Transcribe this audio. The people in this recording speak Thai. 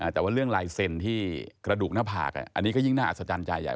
แต่ว่าเรื่องลายเซ็นที่กระดูกหน้าผากอันนี้ก็ยิ่งน่าอัศจรรย์ใจใหญ่